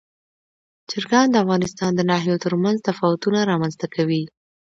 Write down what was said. چرګان د افغانستان د ناحیو ترمنځ تفاوتونه رامنځ ته کوي.